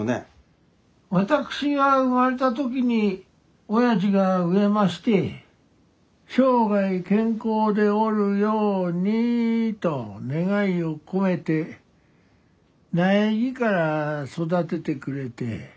私が生まれたときにおやじが植えまして生涯健康でおるようにと願いを込めて苗木から育ててくれて。